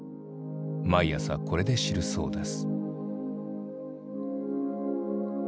毎朝これで知るそうです。